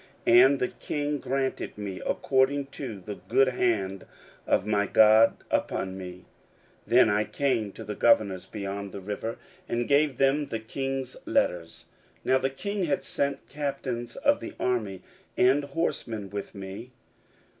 And the king granted me, according to the good hand of my God upon me. 16:002:009 Then I came to the governors beyond the river, and gave them the king's letters. Now the king had sent captains of the army and horsemen with me.